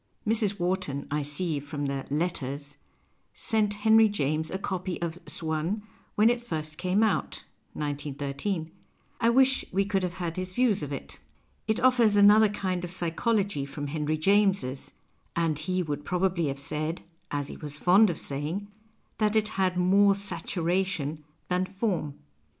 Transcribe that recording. Mrs. Wharton, I see from the " Letters," sent Henry James a copy of " Swann " when it first came out (191.3) : I wish we could have had his views of it. It offers another kind of psychology from Henry James's, and he would probably have said, as he was fond of saying, that it had more " saturation " than " form."'